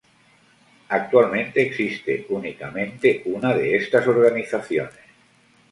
Actualmente existe únicamente una de estas organizaciones.